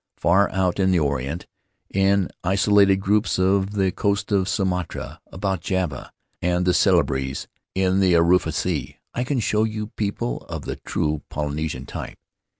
Far out in the Orient, in isolated groups, off the coast of Sumatra, about Java and Celebes, and in the Arafura Sea, I can show you people of the true Polynesian type.